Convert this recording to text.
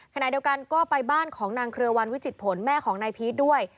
ขณะเดียวกันก็ไปบ้านของนางเครือวันวิจิตผลแม่ของนายพีชด้วย